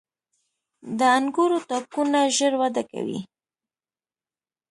• د انګورو تاکونه ژر وده کوي.